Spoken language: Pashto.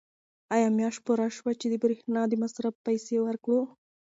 آیا میاشت پوره شوه چې د برېښنا د مصرف پیسې ورکړو؟